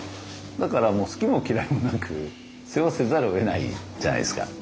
だからもう好きも嫌いもなく世話せざるをえないじゃないですか。